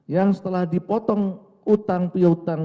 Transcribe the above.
yang setelah dipotong utang piutang